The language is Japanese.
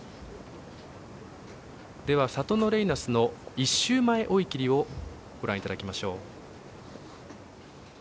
サトノレイナスの１週前追い切りをご覧いただきましょう。